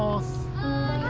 はい。